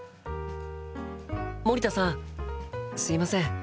森田さんすいません